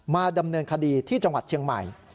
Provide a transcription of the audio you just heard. มาดำเนินคดีที่จังหวัดเชียงใหม่